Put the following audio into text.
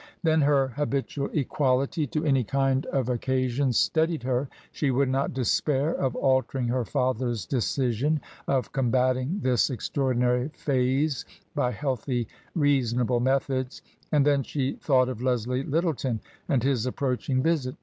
Then her habitual equality to any kind 36 TRANSITION. of occasion steadied her; she would not despair of altering her father's decision, of combating this extraor dinary phase by healthy reasonable methods. And then she thought of Leslie Lyttleton and his approaching visit.